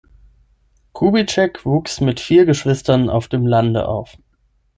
Kubitschek wuchs mit vier Geschwistern auf dem Lande auf.